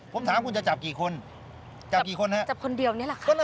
ผมถามคุณจะจับกี่คนจับกี่คนฮะจับคนเดียวนี่แหละค่ะ